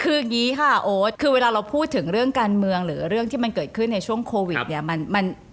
คืออย่างนี้ค่ะโอ๊ตคือเวลาเราพูดถึงเรื่องการเมืองหรือเรื่องที่มันเกิดขึ้นในช่วงโควิดเนี่ย